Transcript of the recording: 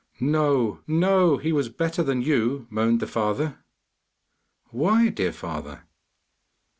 'No, no, he was better than you!' moaned the father. 'Why, dear father?